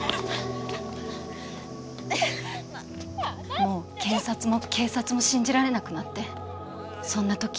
もう検察も警察も信じられなくなってそんな時。